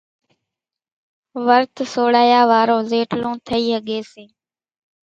ورت سوڙايا وارو زيٽلون ٿئي ۿڳي سي۔